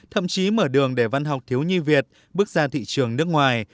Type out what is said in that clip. thậm chí mở đường để văn học thiếu nhi việt bước ra thị trường nước ngoài